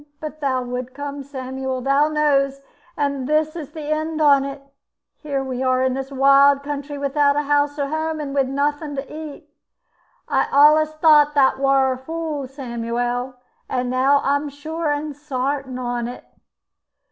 But thou would come, Samiul, thou knows, and this is the end on it. Here we are in this wild country without house or home, and wi' nothin' to eat. I allus thowt tha wor a fool, Samiul, and now I'm sure and sartin on it."